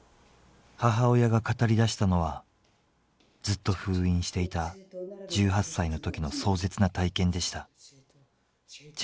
母親が語り出したのはずっと封印していた１８歳の時の壮絶な体験でした。